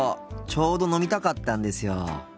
ちょうど飲みたかったんですよ。